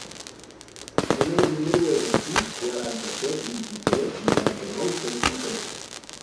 El meu número es el sis, quaranta-set, vint-i-tres, noranta-nou, seixanta-nou.